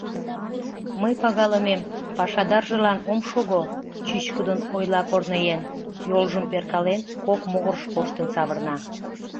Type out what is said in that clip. — Мый, пагалымем, пашадаржылан ом шого, — чӱчкыдын ойла корныеҥ, йолжым перкален, кок могырыш коштын савырна.